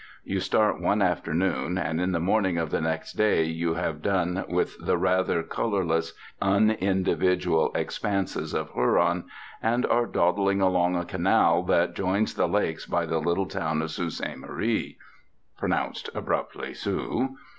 You start one afternoon, and in the morning of the next day you have done with the rather colourless, unindividual expanses of Huron, and are dawdling along a canal that joins the lakes by the little town of Sault Ste. Marie (pronounced, abruptly, 'Soo').